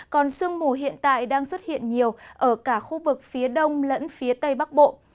còn sương mù hiện tại đang xuất hiện nhiều ở cả khu vực phía đông lẫn phía tây bắc bộ